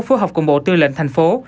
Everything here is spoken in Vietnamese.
phối hợp cùng bộ tư lệnh thành phố